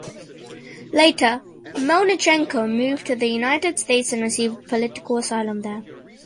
Later, Melnychenko moved to the United States and received political asylum there.